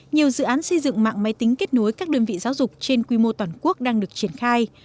nhiều dự án xây dựng mạng máy tính kết nối các đơn vị giáo dục trên quy mô toàn quốc đang được triển khai